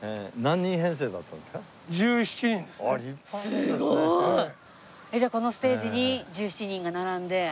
すごい！じゃあこのステージに１７人が並んで。